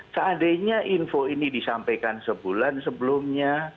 seandainya info ini disampaikan sebulan sebelumnya